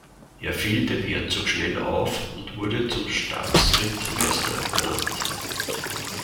Er fiel dem Herzog schnell auf und wurde zum Stabsrittmeister ernannt.